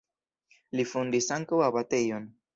Li fondis ankaŭ abatejon.